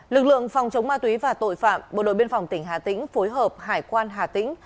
lực lượng phòng chống ma túy và tội phạm bộ đội biên phòng tỉnh hà tĩnh phối hợp hải quan hà tĩnh